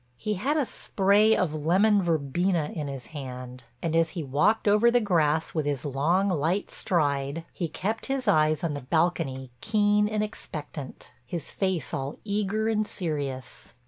He had a spray of lemon verbena in his hand and as he walked over the grass with his long, light stride, he kept his eyes on the balcony keen and expectant, his face all eager and serious.